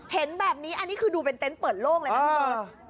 เห็นแบบนี้อันนี้คือดูเป็นเต็นต์เปิดโลกเลย